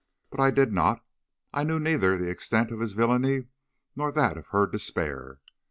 But I did not. I knew neither the extent of his villainy nor that of her despair.